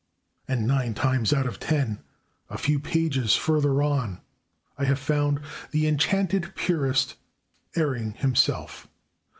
And nine times out of ten, a few pages further on, I have found the enchanted purist erring himself.